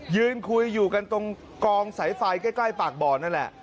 ยืนคุยอยู่กันตรงกองสายไฟใกล้ปากบ่อนั่นแหละ